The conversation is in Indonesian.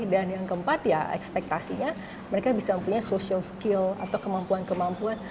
dan yang keempat ya ekspektasinya mereka bisa punya social skill atau kemampuan kemampuan